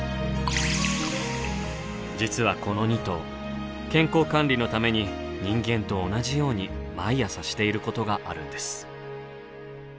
実はこの２頭健康管理のために人間と同じように毎朝していることがあるんです。